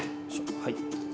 はい。